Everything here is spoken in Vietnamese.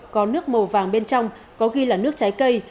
có nước màu vàng bên trong có ghi là nước trái cây